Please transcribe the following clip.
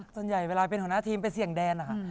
ส่วนใหญ่ก็จะเป็นส่วนหน้าทีมซี่แห่งแดน